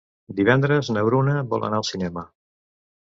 Divendres na Bruna vol anar al cinema.